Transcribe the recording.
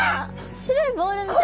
白いボールみたいな。